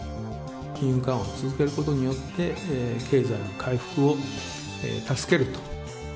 金融緩和を続けることによって、経済の回復を助けると。